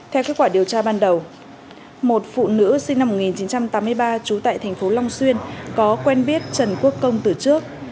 theo kết quả điều tra ban đầu một phụ nữ sinh năm một nghìn chín trăm tám mươi ba trú tại thành phố long xuyên có quen biết trần quốc công từ trước